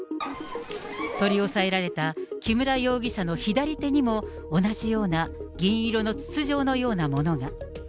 取り押さえられた木村容疑者の左手にも同じような銀色の筒状のようなものが。